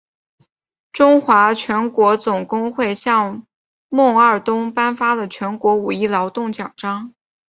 中华全国总工会向孟二冬颁发了全国五一劳动奖章。